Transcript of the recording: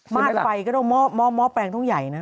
มาดไฟเก้าต้องมอบม้อตแปรงตรงใหญ่นะ